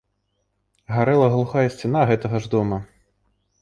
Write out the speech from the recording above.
Гарэла глухая сцяна гэтага ж дома.